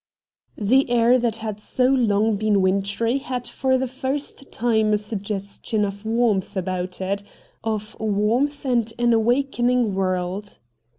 The air that had so long been wintry had for the first time a suggestion of warmth about it, of warmth and an awaken ing world.